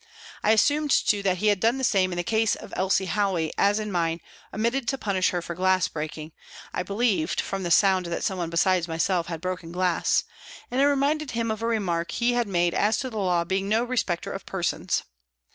I assumed, too, that he had done the same in the case of Elsie Howey as in mine, omitted to punish her for glass breaking I believed, from the sound, that someone besides myself had broken glass and I reminded him of a remark he had made as to the law being no respecter of persons.